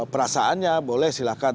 perasaannya boleh silahkan